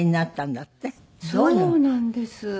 そうなんです。